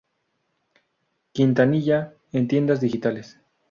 Quintanilla en tiendas digitales.